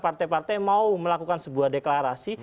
partai partai mau melakukan sebuah deklarasi